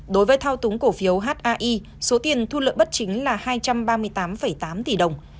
đối với thao túng cổ phiếu hae số tiền thu lợi bất chính là hai trăm ba mươi tám tám tỷ đồng